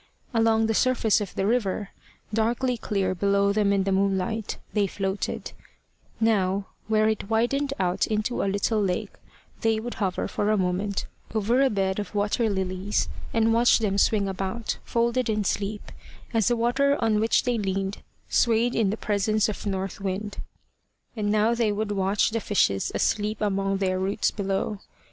Along the surface of the river, darkly clear below them in the moonlight, they floated; now, where it widened out into a little lake, they would hover for a moment over a bed of water lilies, and watch them swing about, folded in sleep, as the water on which they leaned swayed in the presence of North Wind; and now they would watch the fishes asleep among their roots below.